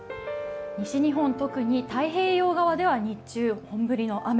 西日本、特に太平洋側では日中、本降りの雨。